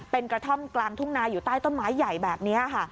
เป็นกระท่อมกลางทุ่งนาอยู่ใต้ต้นไม้ใหญ่แบบนี้ค่ะ